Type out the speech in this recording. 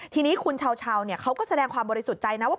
ทีนี้คุณเช้าเขาก็แสดงความบริสุทธิ์ใจนะว่า